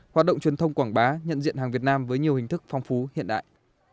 hoạt động truyền thông quảng bá nhận diện hàng việt nam với nhiều hình thức phong phú hiện đại